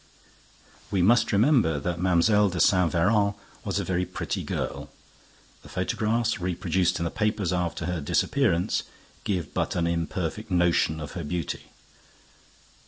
We must remember that Mlle. de Saint Véran was a very pretty girl. The photographs reproduced in the papers after her disappearance give but an imperfect notion of her beauty.